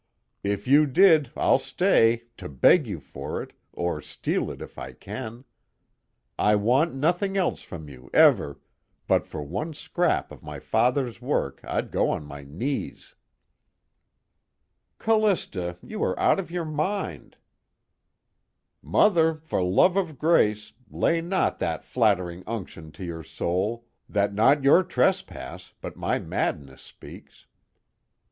If you did I'll stay, to beg you for it or steal it if I can. I want nothing else from you, ever, but for one scrap of my father's work I'd go on my knees." "Callista, you are out of your mind." "'Mother, for love of grace, lay not that flattering unction to your soul, that not your trespass but my madness speaks.'"